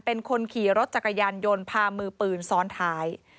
เป็นคนขี่รถจักรยานยนต์พามือปืนซ้อนท้าย